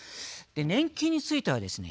年金についてはですね